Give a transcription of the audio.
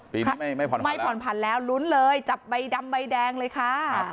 ปีนี้ไม่ผ่อนพันไม่ผ่อนผันแล้วลุ้นเลยจับใบดำใบแดงเลยค่ะ